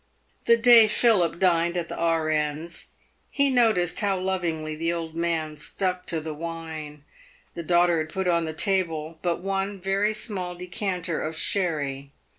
The day Philip dined at theR.N.'s, he noticed how lovingly the old man stuck to the wine. The daughter had put on the table but one very small decanter of sherry.